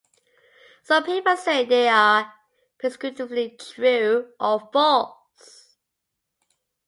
Some people say they are "prescriptively true" or false.